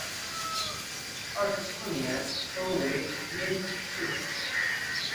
二十四年升为焉耆府。